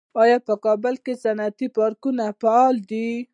آیا په کابل کې صنعتي پارکونه فعال دي؟